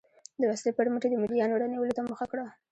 د وسلې پر مټ یې د مریانو رانیولو ته مخه کړه.